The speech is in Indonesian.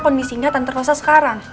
kondisinya tante rosa sekarang